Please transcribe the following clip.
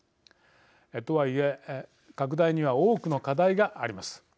とはいえ、拡大には多くの課題があります。